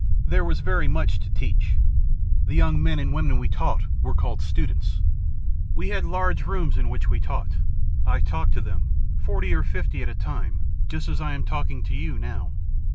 There was very much to teach. The young men and women we taught were called students. We had large rooms in which we taught. I talked to them, forty or fifty at a time, just as I am talking to you now.